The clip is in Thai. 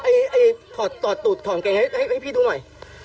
ไอไอถอดถอดตูดถอดเกงให้พี่ดูหน่อย